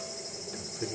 たっぷり？